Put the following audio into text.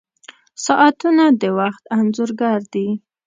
• ساعتونه د وخت انځور ګر دي.